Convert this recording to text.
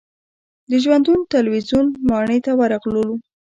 د ژوندون تلویزیون ماڼۍ ته ورغلو.